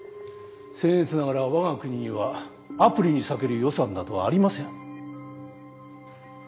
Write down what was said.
せん越ながら我が国にはアプリに割ける予算などありません。